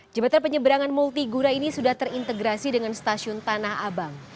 jembatan penyeberangan multigura ini sudah terintegrasi dengan stasiun tanah abang